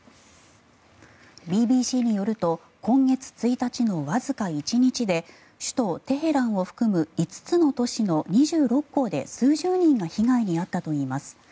ＢＢＣによると今月１日のわずか１日で首都テヘランを含む５つの都市の２６校で数十人が被害に遭ったといいます。